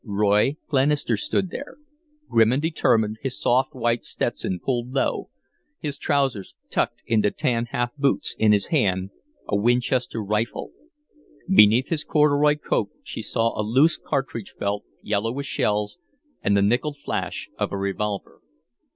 Roy Glenister stood there, grim and determined, his soft, white Stetson pulled low, his trousers tucked into tan half boots, in his hand a Winchester rifle. Beneath his corduroy coat she saw a loose cartridge belt, yellow with shells, and the nickelled flash of a revolver.